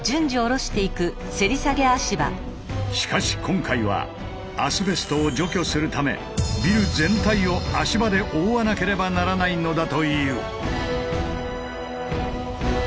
しかし今回はアスベストを除去するためビル全体を足場で覆わなければならないのだという。